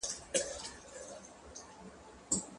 خپل سياسي مسؤوليت وپېژنئ او د ټولني لپاره کار وکړئ.